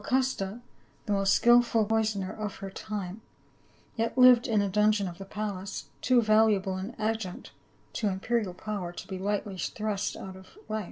custa, the most skilful poisoner of her time, yet lived in a dungeon of the palace — too valuable an adjunct to imperial power to be lightly thrust out of life.